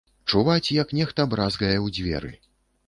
Чуваць, як нехта бразгае ў дзверы.